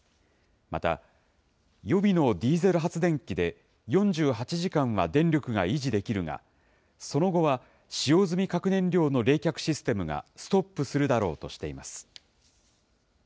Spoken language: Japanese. また、予備のディーゼル発電機で４８時間は電力が維持できるが、その後は使用済み核燃料の冷却システムがストップするだろうとしています。